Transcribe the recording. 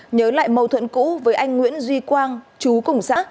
nhớ lại mâu thuẫn cũ với anh nguyễn duy quang chú cùng xã